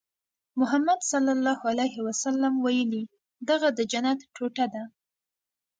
محمد ص ویلي دغه د جنت ټوټه ده.